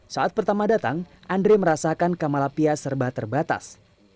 saat pertama datang andre merasakan kamalapia serba terbatas